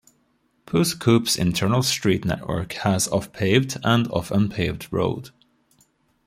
Pouce Coupe's internal street network has of paved and of unpaved road.